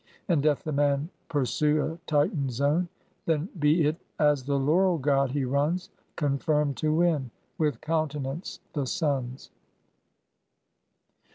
And doth the man pursue a tightened zone, Then be it as the Laurel God he runs, Confirmed to win, with countenance the Sun's.